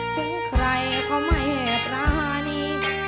ถึงใครเค้าไม่แอบร้านี่